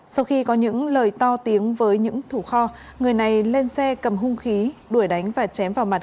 sau khi có những lời to tiếng với những thủ kho người này lên xe cầm hung khí đuổi đánh và chém vào mặt